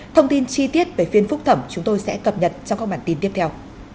thông tin chi tiết về phiên phúc thẩm chúng tôi sẽ cập nhật trong các bản tin tiếp theo